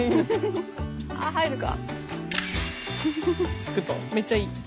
あっ入るか？